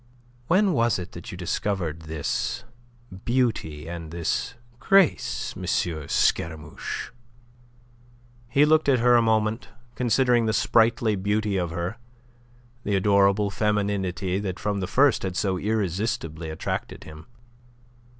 "When was it that you discovered this beauty and this grace, M. Scaramouche?" He looked at her a moment, considering the sprightly beauty of her, the adorable femininity that from the first had so irresistibly attracted him.